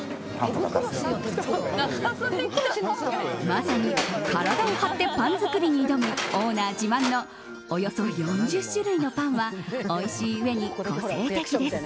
まさに体を張ってパン作りに挑むオーナー自慢のおよそ４０種類のパンはおいしいうえに個性的です。